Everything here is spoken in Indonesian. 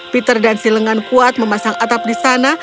peter dan si lengan kuat memasang atap di sana